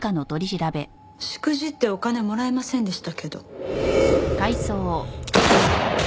しくじってお金もらえませんでしたけど。